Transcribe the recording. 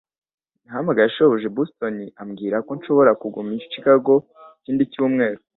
Nahamagaye shobuja i Boston ambwira ko nshobora kuguma i Chicago ikindi cyumweru.